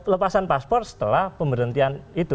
lepasan paspor setelah pemberhentian itu